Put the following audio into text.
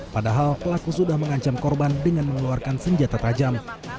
padahal pelaku sudah mengancam korban dengan mengeluarkan senjata tajam